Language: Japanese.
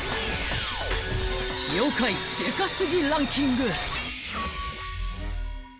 ［妖怪デカすぎランキング］